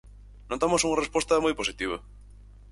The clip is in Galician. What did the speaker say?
Notamos unha resposta moi positiva.